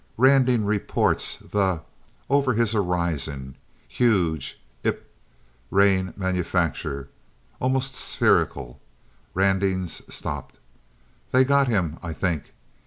Randing reports the over his horizon. Huge ip reign manufacture. Almost spherical. Randing's stopped. They got him I think.